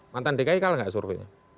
mantan dki kalah gak sorbetnya